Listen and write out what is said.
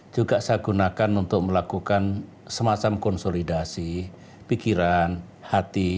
juga saya gunakan untuk melakukan semacam konsolidasi pikiran hati